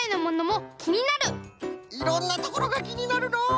いろんなところがきになるのう。